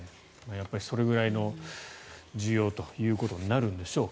それぐらいの需要ということになるんでしょう。